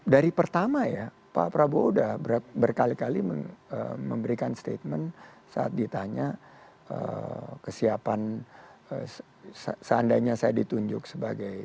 dari pertama ya pak prabowo sudah berkali kali memberikan statement saat ditanya kesiapan seandainya saya ditunjuk sebagai